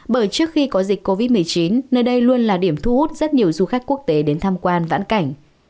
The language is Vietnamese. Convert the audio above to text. bởi trước khi có dịch covid một mươi chín nơi đây luôn là điểm thu hút rất nhiều du khách quốc tế đến tham quan vãn cảnh